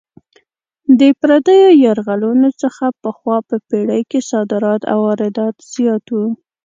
د پردیو یرغلونو څخه پخوا په پېړۍ کې صادرات او واردات زیات وو.